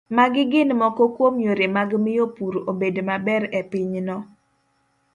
Magi gin moko kuom yore mag miyo pur obed maber e pinyno